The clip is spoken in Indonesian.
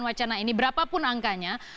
wacana ini berapapun angkanya